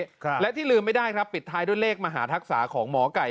ครับและที่ลืมไม่ได้ครับปิดท้ายด้วยเลขมหาทักษาของหมอไก่